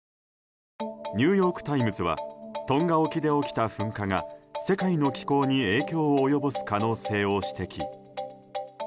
ニューヨーク・タイムズはトンガ沖で起きた噴火が世界の気候に影響を及ぼす可能性を指摘。